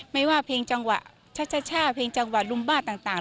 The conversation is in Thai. ไม่ว่าเพลงจังหวะช่าเพลงจังหวะลุมบ้าต่าง